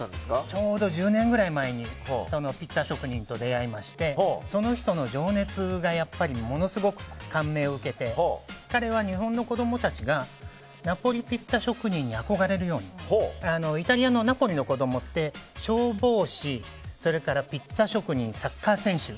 ちょうど１０年くらい前にピッツァ職人と出会いましてその人の情熱にやっぱりものすごく感銘を受けて彼は日本の子供たちがナポリピッツァ職人に憧れるようにイタリアのナポリの子供って消防士、それからピッツァ職人サッカー選手